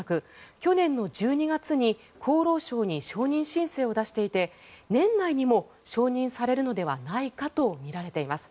去年１２月に厚労省に承認申請を出していて年内にも承認されるのではないかとみられています。